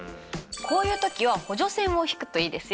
こういう時は補助線を引くといいですよ。